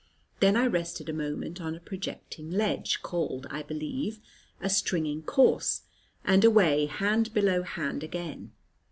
Then I rested a moment on a projecting ledge called, I believe, a "stringing course" and away hand below hand again.